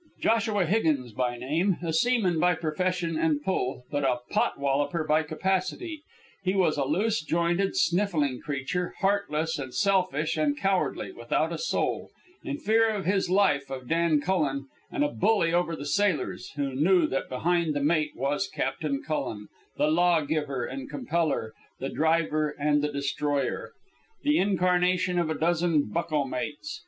Joshua Higgins by name, a seaman by profession and pull, but a pot wolloper by capacity, he was a loose jointed, sniffling creature, heartless and selfish and cowardly, without a soul, in fear of his life of Dan Cullen, and a bully over the sailors, who knew that behind the mate was Captain Cullen, the law giver and compeller, the driver and the destroyer, the incarnation of a dozen bucko mates.